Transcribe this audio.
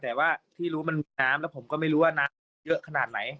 แต่ว่าที่รู้มันมีน้ำแล้วผมก็ไม่รู้ว่าน้ำเยอะขนาดไหน